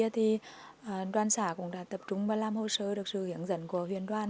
thì đoàn xã cũng đã tập trung và làm hồ sơ được sự hướng dẫn của huyền đoàn